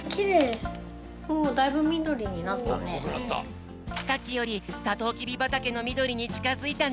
おさっきよりさとうきびばたけのみどりにちかづいたね！